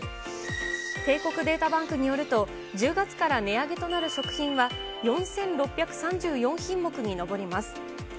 帝国データバンクによると、１０月から値上げとなる食品は４６３４品目に上ります。